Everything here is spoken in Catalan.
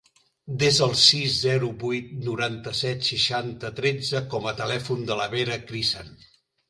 Desa el sis, zero, vuit, noranta-set, seixanta, tretze com a telèfon de la Vera Crisan.